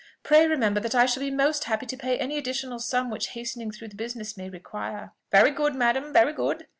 Pray remember that I shall be most happy to pay any additional sum which hastening through the business may require." "Very good, madam, very good.